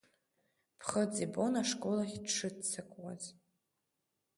Ԥхыӡ ибон ашкол ахь дшыццакуаз.